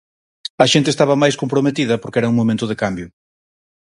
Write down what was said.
A xente estaba máis comprometida porque era un momento de cambio.